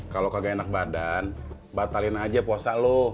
kalau kagak enak badan batalin aja puasa loh